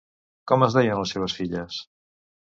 Com es deien les seves filles?